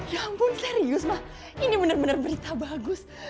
ya ampun serius mah ini bener bener berita bagus